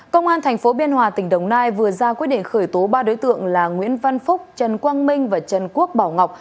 công an tp biên hòa tỉnh đồng nai vừa ra quyết định khởi tố ba đối tượng là nguyễn văn phúc trần quang minh và trần quốc bảo ngọc